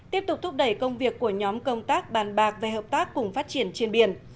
tiếp tục thúc đẩy công việc của nhóm công tác bàn bạc về hợp tác cùng phát triển trên biển